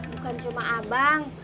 bukan cuma abang